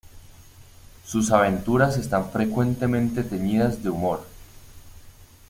Sus aventuras están frecuentemente teñidas de humor.